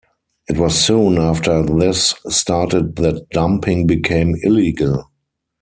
It was soon after this started that dumping became illegal.